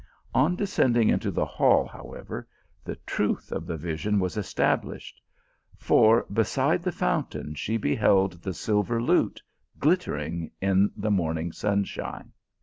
On descending into the hall, how ever, the tr th of the vision was established; for, beside the fountain she beheld the silver lute glitter ing in the morning sunshine.